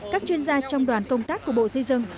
các chuyên gia trong đoàn công tác của bộ xây dựng